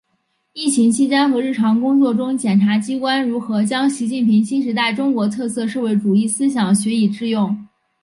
疫情期间和日常工作中检察机关如何将习近平新时代中国特色社会主义思想学以致用